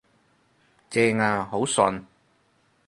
正呀，好順